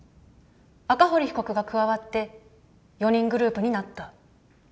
赤堀被告が加わって４人グループになった？